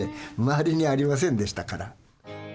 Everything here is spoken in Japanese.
周りにありませんでしたから。